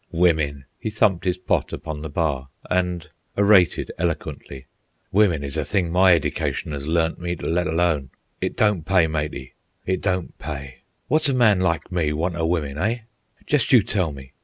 "Wimmen!" He thumped his pot upon the bar and orated eloquently. "Wimmen is a thing my edication 'as learnt me t' let alone. It don't pay, matey; it don't pay. Wot's a man like me want o' wimmen, eh? jest you tell me.